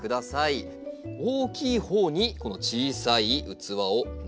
大きいほうにこの小さい器を中に入れます。